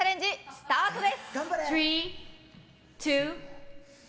スタートです！